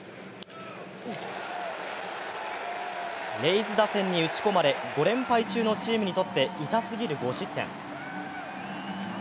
レイズ打線に打ち込まれ５連敗中のチームにとって痛すぎる５失点。